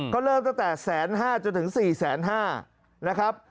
ก็เริ่มตั้งแต่๑๕๐๐จนถึง๔๕๐๐นะครับ